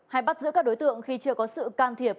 hay bắt giữ các đối tượng khi chưa có sự can thiệp